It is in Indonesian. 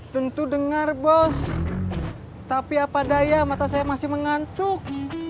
tentu dengar bos tapi apa daya mata saya masih mengantuk